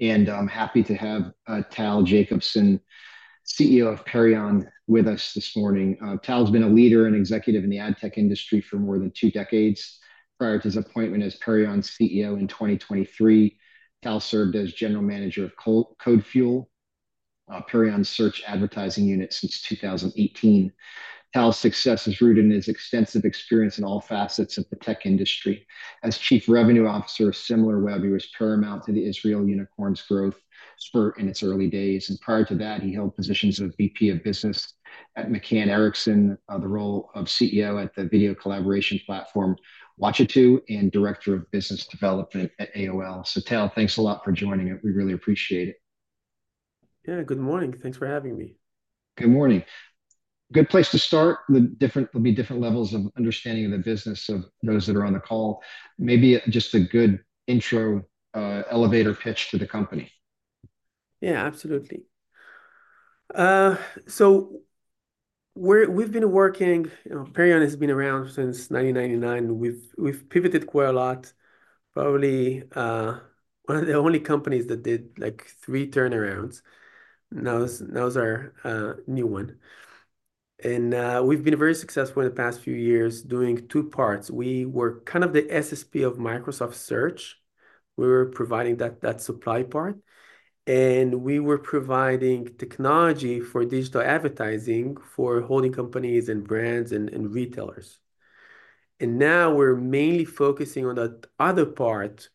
And I'm happy to have Tal Jacobson, CEO of Perion, with us this morning. Tal's been a leader and executive in the ad tech industry for more than two decades. Prior to his appointment as Perion's CEO in 2023, Tal served as General Manager of CodeFuel, Perion's search advertising unit since 2018. Tal's success is rooted in his extensive experience in all facets of the tech industry. As Chief Revenue Officer of Similarweb, he was paramount to the Israel unicorn's growth spurt in its early days, and prior to that, he held positions of VP of Business at McCann Erickson, the role of CEO at the video collaboration platform Watchitoo, and Director of Business Development at AOL. So Tal, thanks a lot for joining us. We really appreciate it. Yeah, good morning. Thanks for having me. Good morning. Good place to start, there'll be different levels of understanding of the business of those that are on the call. Maybe just a good intro, elevator pitch for the company. Yeah, absolutely. So we've been working. You know, Perion has been around since 1999. We've, we've pivoted quite a lot, probably one of the only companies that did, like, three turnarounds. Now, this now is our new one. And we've been very successful in the past few years doing two parts. We were kind of the SSP of Microsoft Search. We were providing that supply part, and we were providing technology for digital advertising for holding companies and brands and retailers. And now we're mainly focusing on that other part,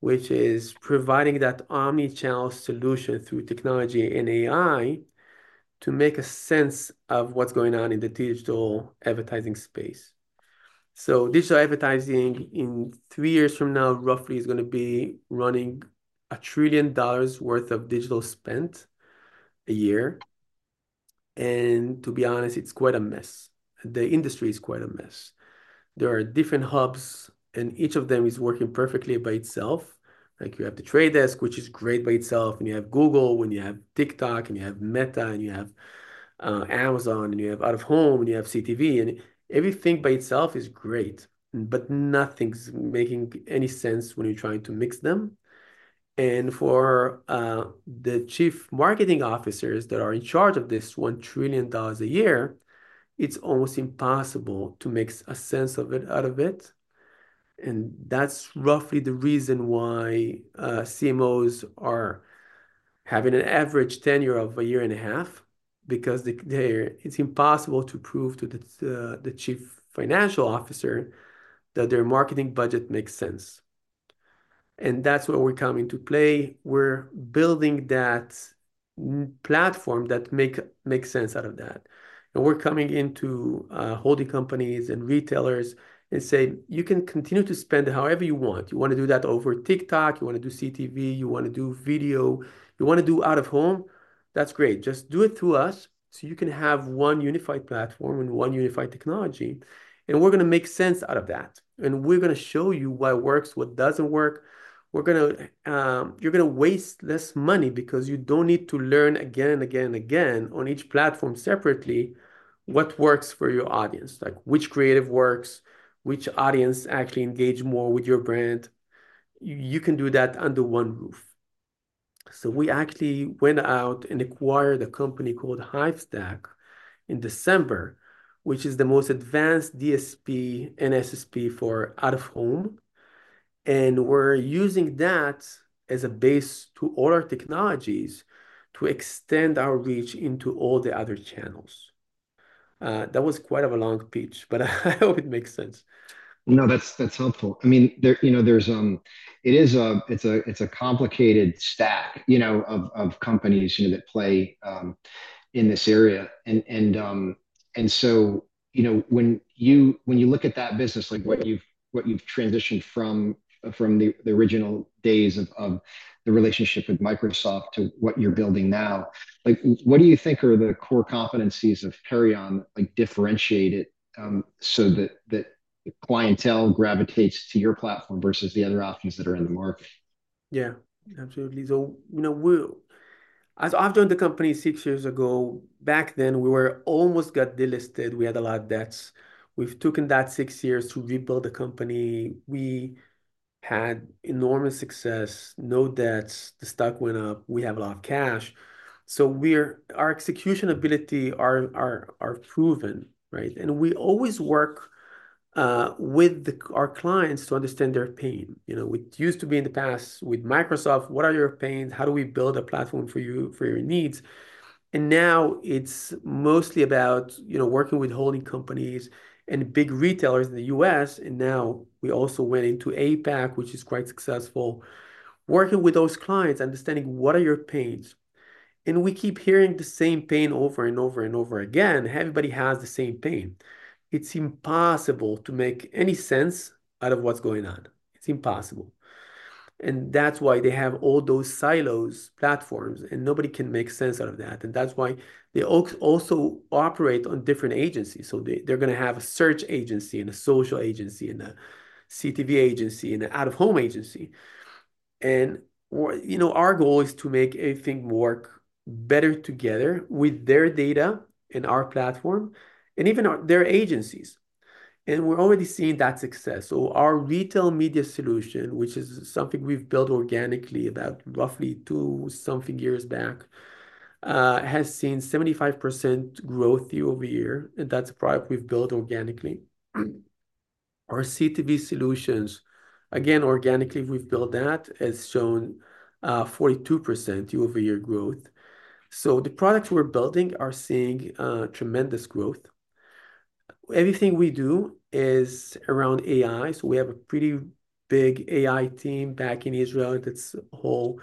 which is providing that omni-channel solution through technology and AI to make a sense of what's going on in the digital advertising space. Digital advertising, in three years from now, roughly, is gonna be running $1 trillion worth of digital spend a year, and to be honest, it's quite a mess. The industry is quite a mess. There are different hubs, and each of them is working perfectly by itself. Like you have The Trade Desk, which is great by itself, and you have Google, and you have TikTok, and you have Meta, and you have Amazon, and you have out-of-home, and you have CTV, and everything by itself is great, but nothing's making any sense when you're trying to mix them. And for the chief marketing officers that are in charge of this $1 trillion a year, it's almost impossible to make sense of it out of it, and that's roughly the reason why CMOs are having an average tenure of a year and a half, because they it's impossible to prove to the chief financial officer that their marketing budget makes sense. And that's where we come into play. We're building that platform that makes sense out of that, and we're coming into holding companies and retailers and saying, "You can continue to spend however you want. You wanna do that over TikTok, you wanna do CTV, you wanna do video, you wanna do out-of-home? That's great. Just do it through us, so you can have one unified platform and one unified technology, and we're gonna make sense out of that. And we're gonna show you what works, what doesn't work. We're gonna..." You're gonna waste less money because you don't need to learn again and again and again on each platform separately what works for your audience. Like which creative works, which audience actually engage more with your brand. You can do that under one roof. So we actually went out and acquired a company called Hivestack in December, which is the most advanced DSP and SSP for out-of-home, and we're using that as a base to all our technologies to extend our reach into all the other channels. That was quite a long pitch, but I hope it makes sense. No, that's helpful. I mean, there, you know, there's... It's a complicated stack, you know, of companies, you know, that play in this area. And so, you know, when you look at that business, like what you've transitioned from, from the original days of the relationship with Microsoft to what you're building now, like, what do you think are the core competencies of Perion, like, differentiate it, so that the clientele gravitates to your platform versus the other options that are in the market? Yeah, absolutely. So, you know, as I've joined the company six years ago, back then, we were almost got delisted. We had a lot of debts. We've taken that six years to rebuild the company. We had enormous success, no debts. The stock went up. We have a lot of cash. So our execution ability are proven, right? And we always work with our clients to understand their pain. You know, it used to be in the past with Microsoft, "What are your pains? How do we build a platform for you, for your needs?" And now it's mostly about, you know, working with holding companies and big retailers in the US, and now we also went into APAC, which is quite successful. Working with those clients, understanding what are your pains, and we keep hearing the same pain over and over and over again. Everybody has the same pain. It's impossible to make any sense out of what's going on. It's impossible, and that's why they have all those silos platforms, and nobody can make sense out of that, and that's why they also operate on different agencies, so they, they're gonna have a search agency and a social agency and a CTV agency and an out-of-home agency... and, well, you know, our goal is to make everything work better together with their data and our platform, and even their agencies, and we're already seeing that success, so our retail media solution, which is something we've built organically about roughly two or something years back, has seen 75% growth year over year, and that's a product we've built organically. Our CTV solutions, again, organically, we've built that, has shown 42% year-over-year growth. So the products we're building are seeing tremendous growth. Everything we do is around AI, so we have a pretty big AI team back in Israel, that's whole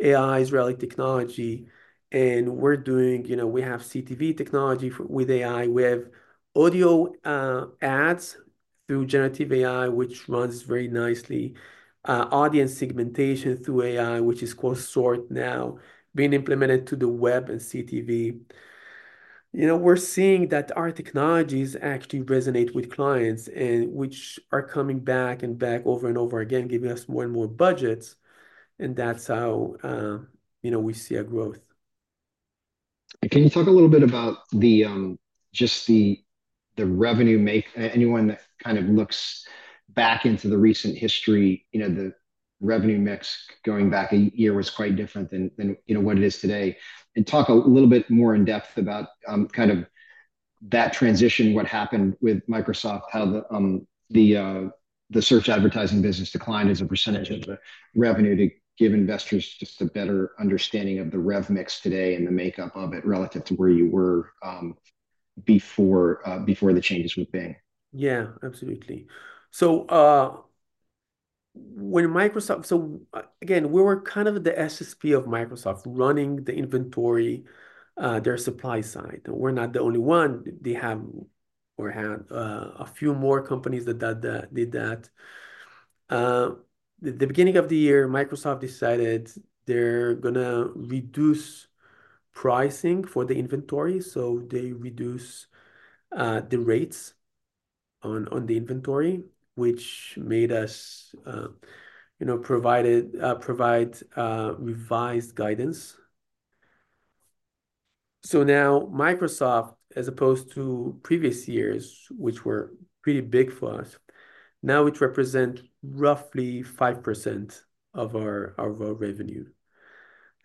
AI Israeli technology. And we're doing, you know, we have CTV technology with AI. We have audio ads through generative AI, which runs very nicely. Audience segmentation through AI, which is called SORT now, being implemented to the web and CTV. You know, we're seeing that our technologies actually resonate with clients, and which are coming back and back over and over again, giving us more and more budgets, and that's how, you know, we see our growth. And can you talk a little bit about the revenue makeup? Anyone that kind of looks back into the recent history, you know, the revenue mix going back a year was quite different than what it is today. Talk a little bit more in depth about that transition, what happened with Microsoft, how the search advertising business declined as a percentage of the revenue, to give investors just a better understanding of the rev mix today and the makeup of it relative to where you were before the changes with Bing. Yeah, absolutely. So, when Microsoft... So, again, we were kind of the SSP of Microsoft, running the inventory, their supply side. We're not the only one. They have or had a few more companies that did that. The beginning of the year, Microsoft decided they're gonna reduce pricing for the inventory, so they reduce the rates on the inventory, which made us provide revised guidance. So now Microsoft, as opposed to previous years, which were pretty big for us, now it represent roughly 5% of our world revenue.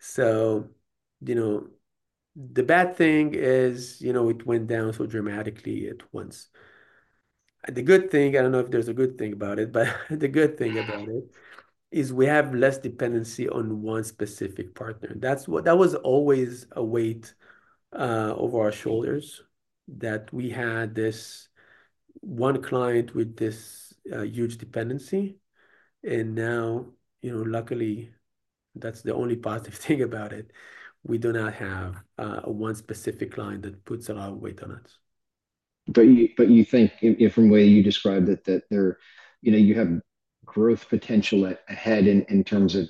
So, you know, the bad thing is, you know, it went down so dramatically at once. The good thing, I don't know if there's a good thing about it, but the good thing about it is we have less dependency on one specific partner. That was always a weight over our shoulders, that we had this one client with this huge dependency, and now, you know, luckily, that's the only positive thing about it. We do not have one specific client that puts a lot of weight on us. But you think from the way you described it that there you know you have growth potential ahead in terms of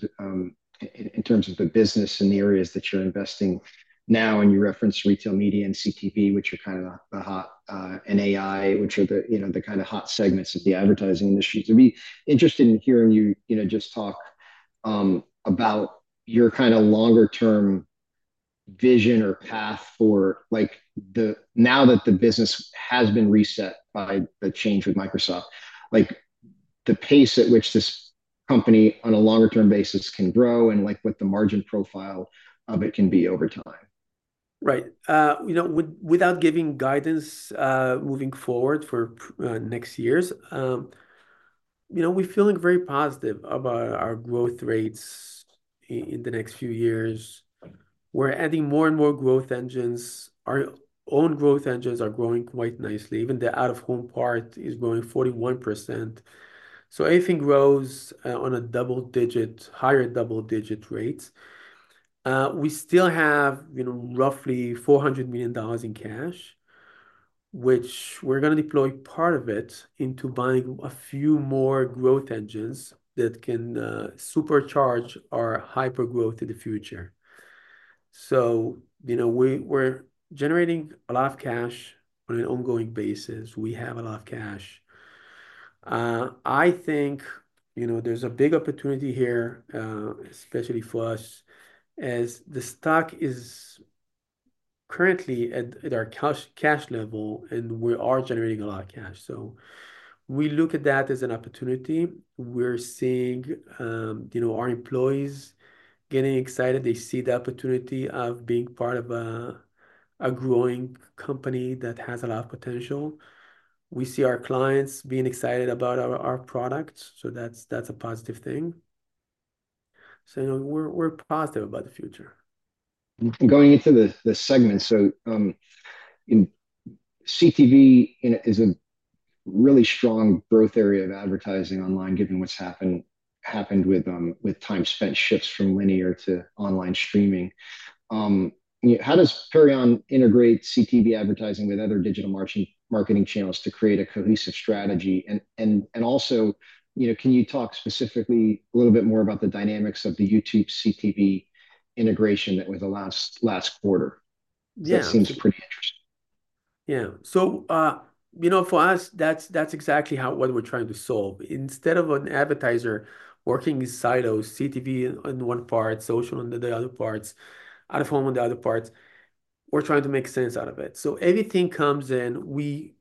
the business and the areas that you're investing now. And you referenced retail media and CTV which are kind of the hot and AI which are you know the kind of hot segments of the advertising industry. So I'd be interested in hearing you you know just talk about your kind of longer term vision or path for like now that the business has been reset by the change with Microsoft like the pace at which this company on a longer term basis can grow and like what the margin profile of it can be over time. Right. You know, without giving guidance, moving forward for next years, you know, we're feeling very positive about our growth rates in the next few years. We're adding more and more growth engines. Our own growth engines are growing quite nicely. Even the out-of-home part is growing 41%. So everything grows on a double digit, higher double digit rate. You know, we still have roughly $400 million in cash, which we're gonna deploy part of it into buying a few more growth engines that can supercharge our hypergrowth in the future. So, you know, we're generating a lot of cash on an ongoing basis. We have a lot of cash. I think, you know, there's a big opportunity here, especially for us, as the stock is currently at our cash level, and we are generating a lot of cash. So we look at that as an opportunity. We're seeing, you know, our employees getting excited. They see the opportunity of being part of a growing company that has a lot of potential. We see our clients being excited about our products, so that's a positive thing. So, you know, we're positive about the future. Going into the segment, so in CTV is a really strong growth area of advertising online, given what's happened with time spent shifts from linear to online streaming. You know, how does Perion integrate CTV advertising with other digital marketing channels to create a cohesive strategy? And also, you know, can you talk specifically a little bit more about the dynamics of the YouTube CTV integration that was allowed last quarter? Yeah. That seems pretty interesting.... Yeah. So, you know, for us, that's exactly what we're trying to solve. Instead of an advertiser working in silos, CTV on one part, social on the other parts, out-of-home on the other parts, we're trying to make sense out of it. So anything comes in, we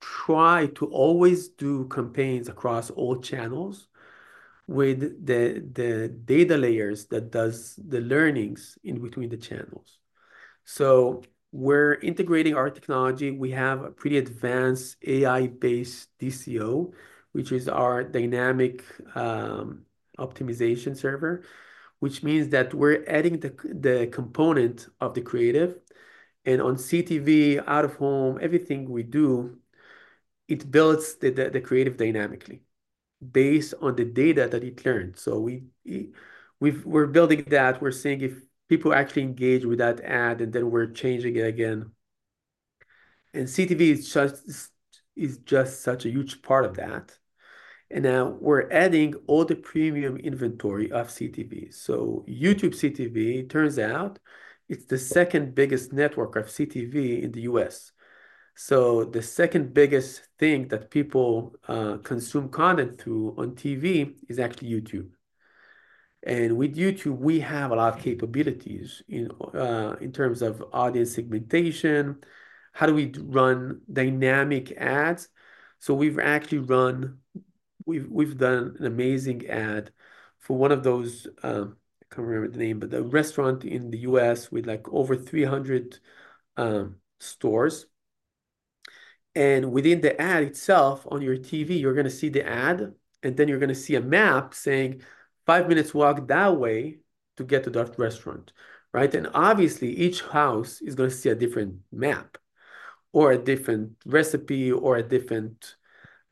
try to always do campaigns across all channels with the data layers that does the learnings in between the channels. So we're integrating our technology. We have a pretty advanced AI-based DCO, which is our dynamic optimization server, which means that we're adding the component of the creative, and on CTV, out-of-home, everything we do, it builds the creative dynamically based on the data that it learned. So we're building that. We're seeing if people actually engage with that ad, and then we're changing it again. And CTV is just such a huge part of that, and now we're adding all the premium inventory of CTV. So YouTube CTV turns out it's the second biggest network of CTV in the U.S. So the second biggest thing that people consume content through on TV is actually YouTube. And with YouTube, we have a lot of capabilities in terms of audience segmentation, how do we run dynamic ads? So we've actually run. We've done an amazing ad for one of those, I can't remember the name, but a restaurant in the U.S. with, like, over 300 stores, and within the ad itself, on your TV, you're gonna see the ad, and then you're gonna see a map saying, "Five minutes walk that way to get to that restaurant," right? And obviously, each house is gonna see a different map or a different recipe or a different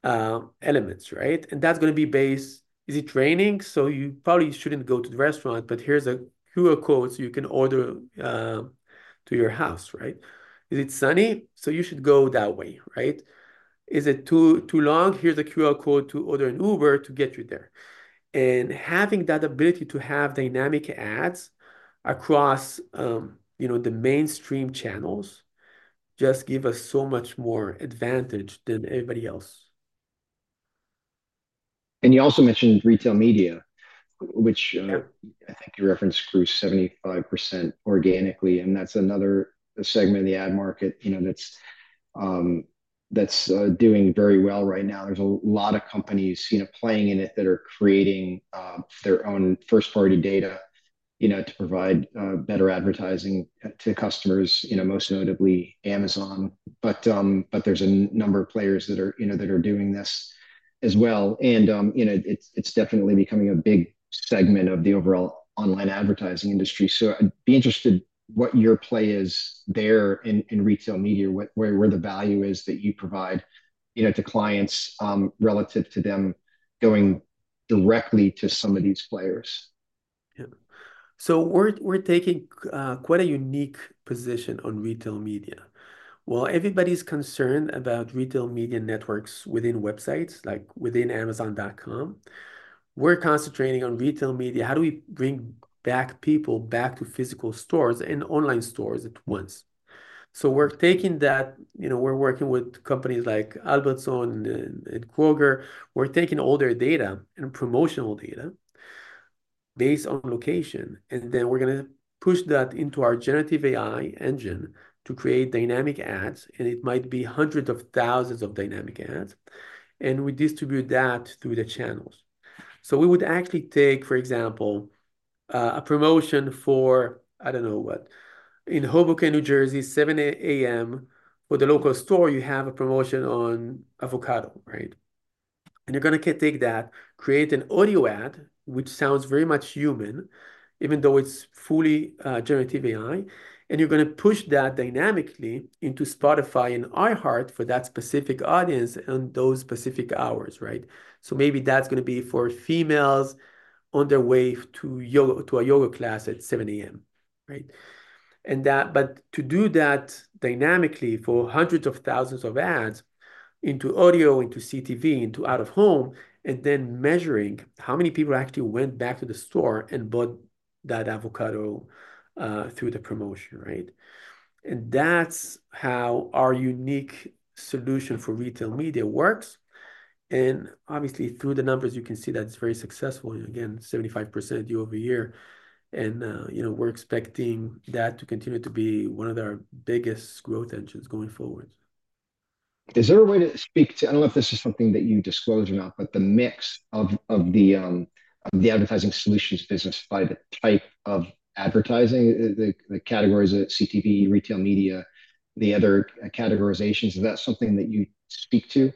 elements, right? And that's gonna be based, "Is it raining? So you probably shouldn't go to the restaurant, but here's a QR code so you can order to your house," right? "Is it sunny? So you should go that way," right? "Is it too long? Here's a QR code to order an Uber to get you there." And having that ability to have dynamic ads across, you know, the mainstream channels just give us so much more advantage than anybody else. And you also mentioned retail media, which Yeah... I think you referenced grew 75% organically, and that's another segment of the ad market, you know, that's doing very well right now. There's a lot of companies, you know, playing in it, that are creating their own first-party data, you know, to provide better advertising to customers, you know, most notably Amazon. But there's a number of players that are, you know, doing this as well, and, you know, it's definitely becoming a big segment of the overall online advertising industry. So I'd be interested what your play is there in retail media, where the value is that you provide, you know, to clients, relative to them going directly to some of these players. Yeah. So we're taking quite a unique position on retail media. While everybody's concerned about retail media networks within websites, like within Amazon.com, we're concentrating on retail media. How do we bring people back to physical stores and online stores at once? So we're taking that, you know, we're working with companies like Albertsons and Kroger. We're taking all their data and promotional data based on location, and then we're gonna push that into our generative AI engine to create dynamic ads, and it might be hundreds of thousands of dynamic ads, and we distribute that through the channels. So we would actually take, for example, a promotion for, I don't know what, in Hoboken, New Jersey, 7 A.M., for the local store, you have a promotion on avocado, right? And you're gonna take that, create an audio ad, which sounds very much human, even though it's fully generative AI, and you're gonna push that dynamically into Spotify and iHeart for that specific audience on those specific hours, right, so maybe that's gonna be for females on their way to a yoga class at 7:00 A.M., right, but to do that dynamically for hundreds of thousands of ads into audio, into CTV, into out-of-home, and then measuring how many people actually went back to the store and bought that avocado through the promotion, right? That's how our unique solution for retail media works, and obviously, through the numbers, you can see that it's very successful, and again, 75% year over year, and you know, we're expecting that to continue to be one of our biggest growth engines going forward. Is there a way to speak to... I don't know if this is something that you disclose or not, but the mix of the advertising solutions business by the type of advertising, the categories, the CTV, retail media, the other categorizations, is that something that you speak to?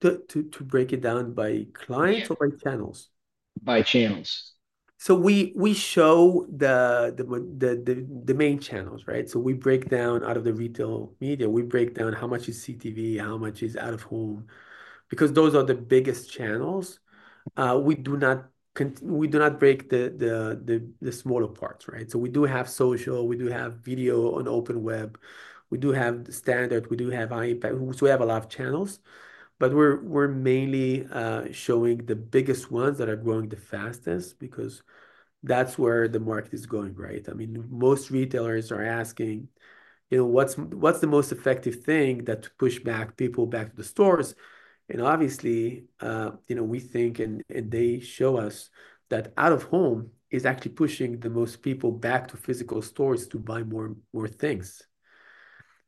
To break it down by clients- Yeah... or by channels? By channels. So we show the main channels, right? So we break down out of the retail media, we break down how much is CTV, how much is out-of-home, because those are the biggest channels. We do not break the smaller parts, right? So we do have social, we do have video on open web, we do have the standard, we do have APAC. So we have a lot of channels, but we're mainly showing the biggest ones that are growing the fastest, because that's where the market is going, right? I mean, most retailers are asking, you know, "What's the most effective thing that push back people back to the stores?" And obviously, you know, we think, and they show us that out-of-home is actually pushing the most people back to physical stores to buy more things.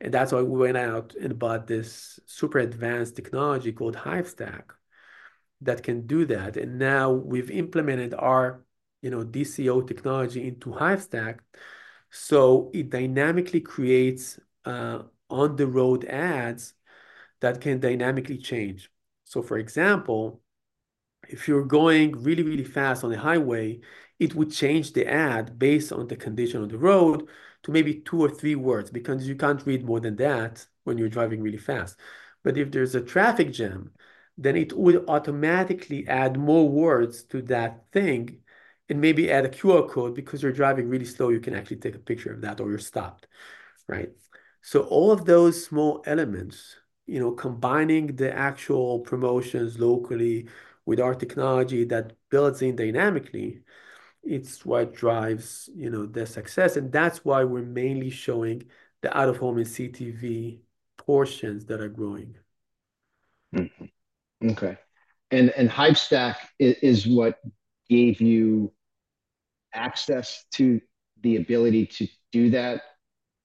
And that's why we went out and bought this super advanced technology called Hivestack that can do that, and now we've implemented our, you know, DCO technology into Hivestack, so it dynamically creates on-the-road ads that can dynamically change. So, for example, if you're going really, really fast on the highway, it would change the ad based on the condition of the road to maybe two or three words, because you can't read more than that when you're driving really fast. But if there's a traffic jam, then it will automatically add more words to that thing and maybe add a QR code, because you're driving really slow, you can actually take a picture of that or you're stopped, right? So all of those small elements, you know, combining the actual promotions locally with our technology that builds in dynamically, it's what drives, you know, the success, and that's why we're mainly showing the out-of-home and CTV portions that are growing. Mm-hmm. Okay. And, Hivestack is what gave you access to the ability to do that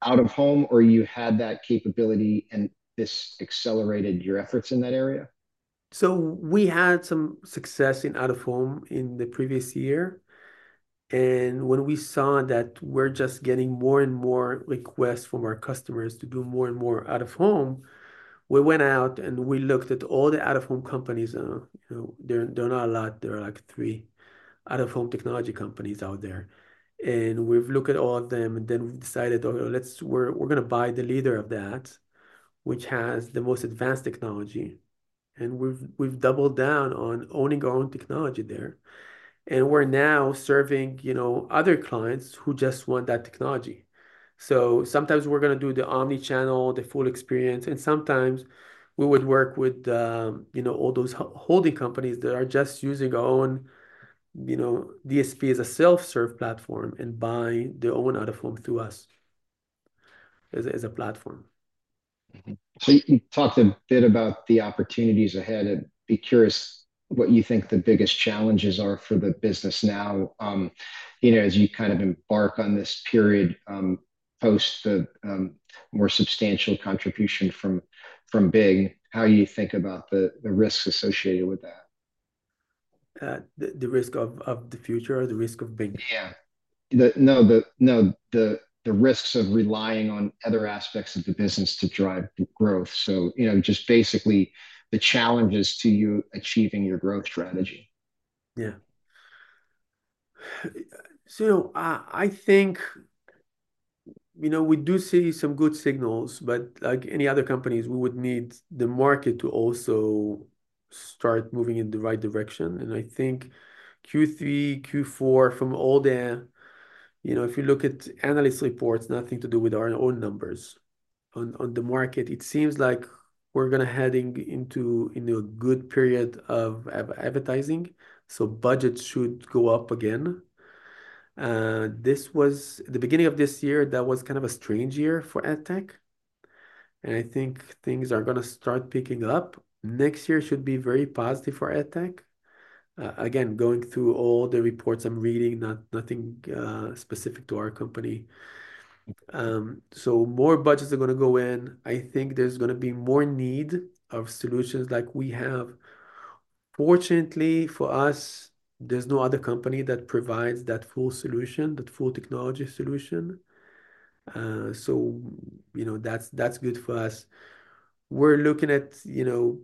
out-of-home, or you had that capability and this accelerated your efforts in that area? So we had some success in out-of-home in the previous year, and when we saw that we're just getting more and more requests from our customers to do more and more out-of-home, we went out and we looked at all the out-of-home companies. You know, there are not a lot. There are, like, three out-of-home technology companies out there. And we've looked at all of them, and then we've decided, "Oh, we're gonna buy the leader of that, which has the most advanced technology." And we've doubled down on owning our own technology there, and we're now serving, you know, other clients who just want that technology. So sometimes we're gonna do the omni-channel, the full experience, and sometimes we would work with, you know, all those holding companies that are just using our own, you know, DSP as a self-serve platform and buying their own out-of-home through us as a platform. Mm-hmm. So you talked a bit about the opportunities ahead. I'd be curious what you think the biggest challenges are for the business now, you know, as you kind of embark on this period, post the more substantial contribution from Bing, how you think about the risks associated with that? The risk of the future or the risk of Bing? Yeah. The risks of relying on other aspects of the business to drive growth. So, you know, just basically the challenges to you achieving your growth strategy. Yeah. So, I think, you know, we do see some good signals, but like any other companies, we would need the market to also start moving in the right direction. I think Q3, Q4, from all the, you know, if you look at analyst reports, nothing to do with our own numbers on the market, it seems like we're gonna heading into a good period of advertising, so budgets should go up again. This was the beginning of this year, that was kind of a strange year for ad tech, and I think things are gonna start picking up. Next year should be very positive for ad tech. Again, going through all the reports I'm reading, nothing specific to our company. So more budgets are gonna go in. I think there's gonna be more need of solutions like we have. Fortunately for us, there's no other company that provides that full solution, that full technology solution. So, you know, that's good for us. We're looking at, you know,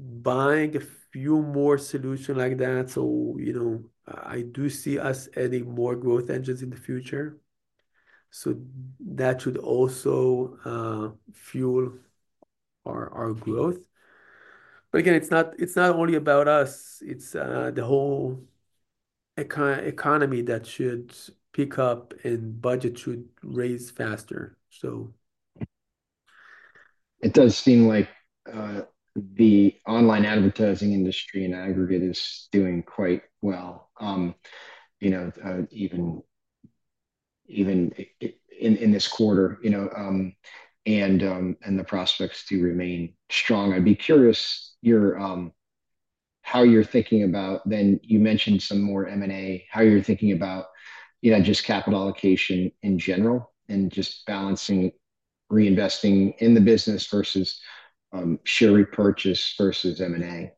buying a few more solution like that, so, you know, I do see us adding more growth engines in the future. So that should also fuel our growth. But again, it's not only about us, it's the whole economy that should pick up, and budgets should raise faster, so. It does seem like the online advertising industry in aggregate is doing quite well, you know, even in this quarter, you know, and the prospects do remain strong. I'd be curious your how you're thinking about then you mentioned some more M&A, how you're thinking about, you know, just capital allocation in general, and just balancing reinvesting in the business versus share repurchase versus M&A?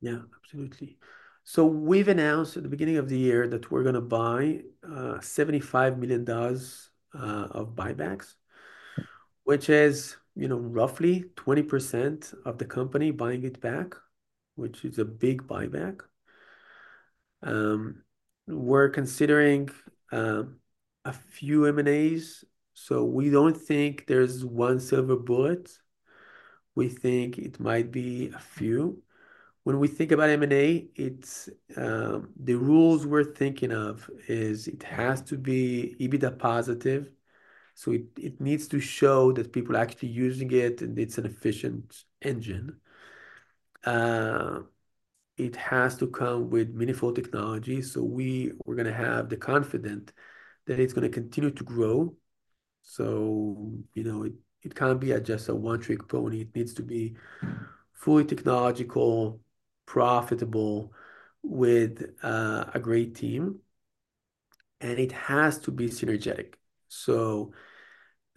Yeah, absolutely. So we've announced at the beginning of the year that we're gonna buy $75 million of buybacks, which is, you know, roughly 20% of the company buying it back, which is a big buyback. We're considering a few M&As, so we don't think there's one silver bullet. We think it might be a few. When we think about M&A, it's the rules we're thinking of is it has to be EBITDA positive, so it needs to show that people are actually using it, and it's an efficient engine. It has to come with meaningful technology, so we're gonna have the confidence that it's gonna continue to grow. So, you know, it can't be just a one-trick pony. It needs to be fully technological, profitable, with a great team, and it has to be synergetic. So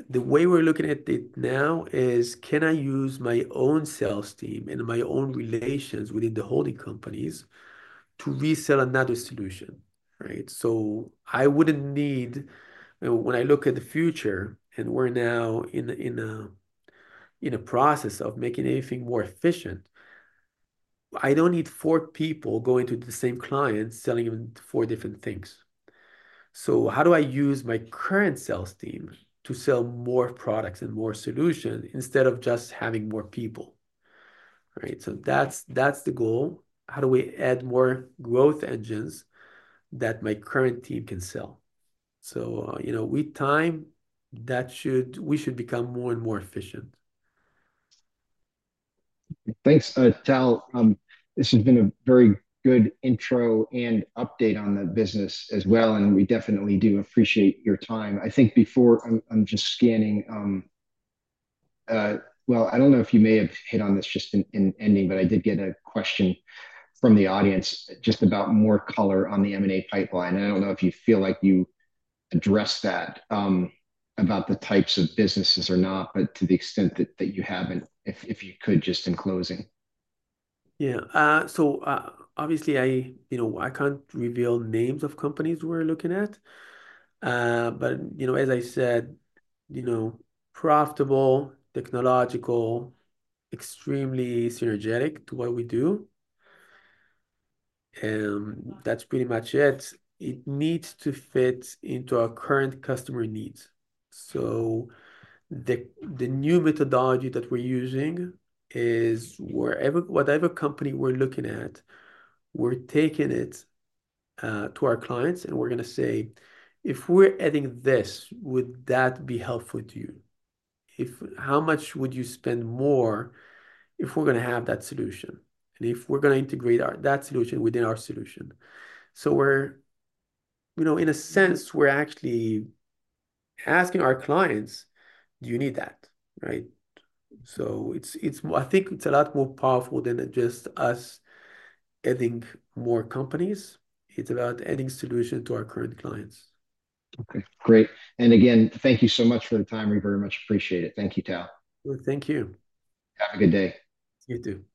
the way we're looking at it now is, can I use my own sales team and my own relations within the holding companies to resell another solution, right? So I wouldn't need... When I look at the future, and we're now in a process of making everything more efficient, I don't need four people going to the same client selling them four different things. So how do I use my current sales team to sell more products and more solutions instead of just having more people, right? So that's the goal. How do we add more growth engines that my current team can sell? So, you know, with time, we should become more and more efficient. Thanks, Tal. This has been a very good intro and update on the business as well, and we definitely do appreciate your time. I think before, I'm just scanning... Well, I don't know if you may have hit on this just in ending, but I did get a question from the audience just about more color on the M&A pipeline, and I don't know if you feel like you addressed that, about the types of businesses or not, but to the extent that you haven't, if you could, just in closing. Yeah. So obviously, you know, I can't reveal names of companies we're looking at. But you know, as I said, you know, profitable, technological, extremely synergetic to what we do, that's pretty much it. It needs to fit into our current customer needs. So the new methodology that we're using is whatever company we're looking at, we're taking it to our clients, and we're gonna say, "If we're adding this, would that be helpful to you? How much would you spend more if we're gonna have that solution, and if we're gonna integrate that solution within our solution?" So we're, you know, in a sense, we're actually asking our clients, "Do you need that?" Right? So it's, I think it's a lot more powerful than just us adding more companies. It's about adding solution to our current clients. Okay, great. And again, thank you so much for the time. We very much appreciate it. Thank you, Tal. Thank you. Have a good day. You too. Bye.